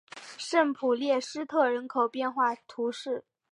圣普列斯特人口变化图示